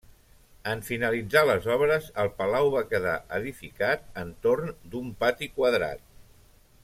En finalitzar les obres, el palau va quedar edificat entorn d'un pati quadrat.